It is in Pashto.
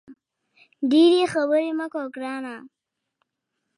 ډېري خبري مه کوه ګرانه !